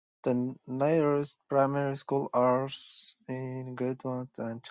The nearest primary schools are in Goodwood and Childers.